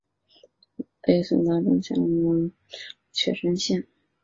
北宋大中祥符五年改名确山县。